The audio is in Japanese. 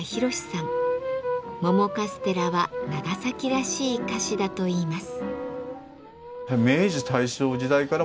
桃カステラは長崎らしい菓子だといいます。